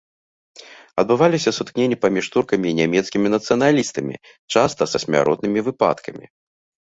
Адбываліся сутыкненні паміж туркамі і нямецкімі нацыяналістамі, часта са смяротнымі выпадкамі.